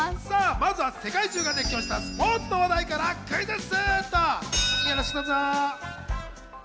まずは世界中が熱狂したスポーツの話題からクイズッス！